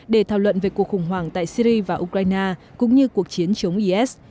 để thảo luận về cuộc khủng hoảng tại syri và ukraine cũng như cuộc chiến chống is